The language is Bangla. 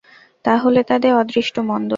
তা হলে তাদের অদৃষ্ট মন্দ।